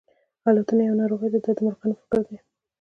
الوتنه یوه ناروغي ده دا د مرغانو فکر دی.